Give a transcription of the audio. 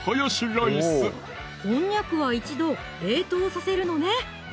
こんにゃくは一度冷凍させるのね